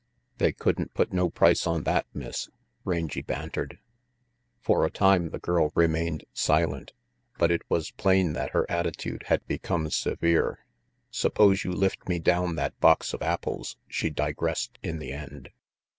"They couldn't put no price on that, Miss," Rangy bantered. For a time the girl remained silent, but it was plain that her attitude had become severe. "Suppose you lift me down that box of apples," she digressed in the end.